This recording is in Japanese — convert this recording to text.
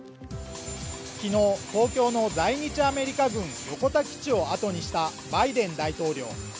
昨日、東京の在日アメリカ軍横田基地をあとにしたバイデン大統領。